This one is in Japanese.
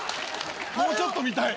もうちょっと見たい。